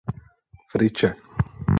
Friče.